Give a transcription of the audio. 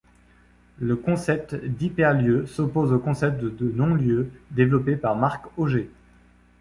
Le concept d'Hyper-lieux s'oppose au concept de non-lieu développe par Marc Augé.